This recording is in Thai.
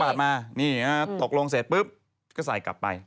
มานี่ตกลงเสร็จปุ๊บก็ใส่กลับไป